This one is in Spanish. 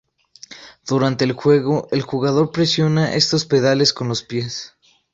Durante el juego, el jugador presiona estos pedales con los pies.